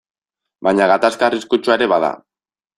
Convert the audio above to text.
Baina gatazka arriskutsua ere bada.